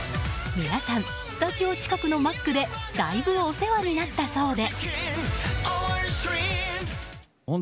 皆さん、スタジオ近くのマックでだいぶ、お世話になったそうで。